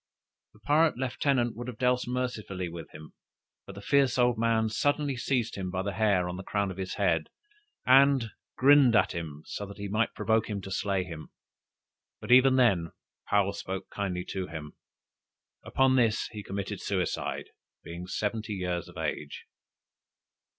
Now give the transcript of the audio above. The pirate lieutenant would have dealt mercifully with him, but the fierce old man suddenly seized him by the hair on the crown of his head, and grinned at him, so that he might provoke him to slay him. But even then Paou spoke kindly to him. Upon this he committed suicide, being seventy years of age.